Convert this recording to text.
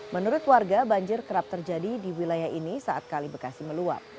menurut warga banjir kerap terjadi di wilayah ini saat kali bekasi meluap